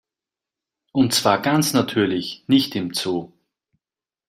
Und zwar ganz natürlich, nicht im Zoo.